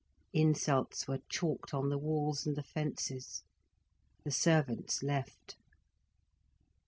Insults were chalked on the walls and the fences, the servants left.